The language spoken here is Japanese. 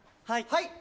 はい！